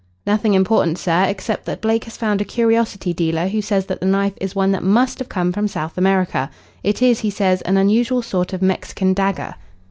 "Nothing important, sir, except that Blake has found a curiosity dealer who says that the knife is one that must have come from South America. It is, he says, an unusual sort of Mexican dagger."